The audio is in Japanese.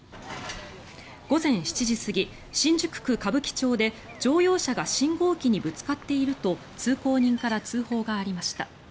午前７時過ぎ、新宿区歌舞伎町で乗用車が信号機にぶつかっていると通行人から通報がありました。